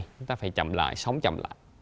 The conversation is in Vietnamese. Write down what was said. chúng ta phải chậm lại sống chậm lại